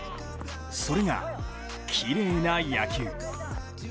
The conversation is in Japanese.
それが、きれいな野球。